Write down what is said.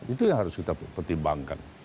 itu yang harus kita pertimbangkan